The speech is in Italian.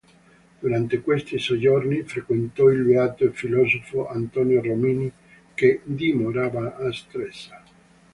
Durante questi soggiorni frequentò il beato e filosofo Antonio Rosmini che dimorava a Stresa.